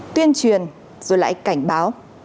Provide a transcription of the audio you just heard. tuyên truyền rồi lại cảnh báo